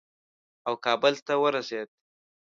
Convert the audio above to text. او کابل ته ورسېد.